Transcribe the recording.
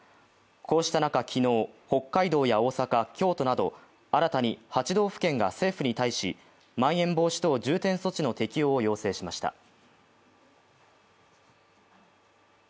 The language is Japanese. こうした中、昨日、北海道や大阪京都など新たに８道府県が政府に対しまん延防止等重点措置の適用を要請しました。